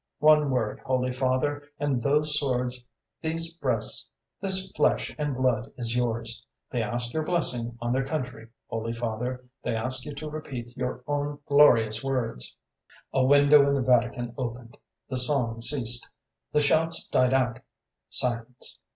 One word, Holy Father, and these swords, these breasts, this flesh and blood is yours! They ask your blessing on their country, Holy Father, they ask you to repeat your own glorious words!'... "A window in the Vatican opened. The song ceased, the shouts died out silence.